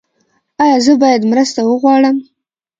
ایا زه باید مرسته وغواړم؟